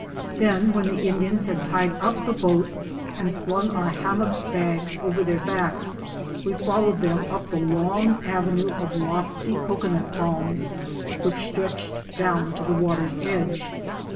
Then when the Indians had tied up the boat and slung our hammock bags over their backs, we followed them up the long avenue of lofty cocoanut palms which stretched down to the water's edge.